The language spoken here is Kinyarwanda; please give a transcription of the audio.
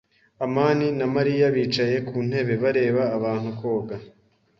amani na Mariya bicaye ku ntebe, bareba abantu koga.